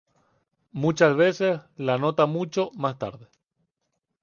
Muchas veces la anota mucho más tarde.